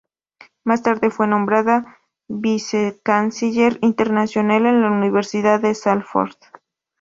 Más tarde fue nombrada vicecanciller internacional en la Universidad de Salford.